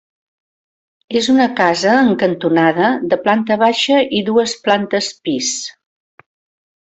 És una casa en cantonada de planta baixa i dues plantes pis.